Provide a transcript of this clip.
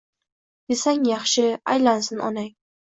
Desang yaxshi: «Aylansin onang…»